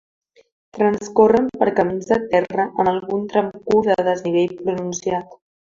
Transcorren per camins de terra amb algun tram curt de desnivell pronunciat.